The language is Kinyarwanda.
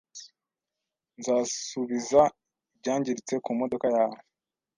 Nzasubiza ibyangiritse ku modoka yawe.